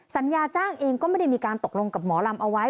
สัญญาจ้างเองก็ไม่ได้มีการตกลงกับหมอลำเอาไว้